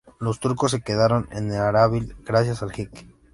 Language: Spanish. Los turcos se quedaron en Ardabil, gracias al jeque.